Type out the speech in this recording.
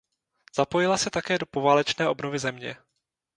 Zapojila se také do poválečné obnovy země.